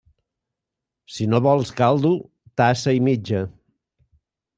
Si no vols caldo, tassa i mitja.